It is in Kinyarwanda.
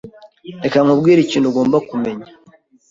Reka nkubwire ikintu ugomba kumenya.